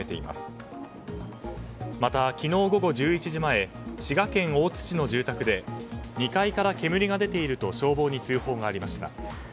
また、昨日午後１１時前滋賀県大津市の住宅で２階から煙が出ていると消防に通報がありました。